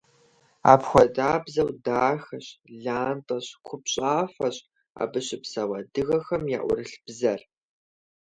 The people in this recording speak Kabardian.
Апхуэдабзэу дахэщ, лантӀэщ, купщӀафӀэщ абы щыпсэу адыгэхэм яӀурылъ бзэр.